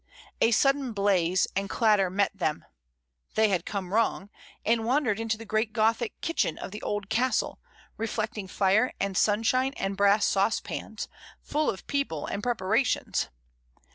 A sudden blaze and datter met them — they had come wrong — and wandered into the great Gothic kitchen of the old Castle, reflecting fire and sunshine and brass saucepans, full of people and prepara tions.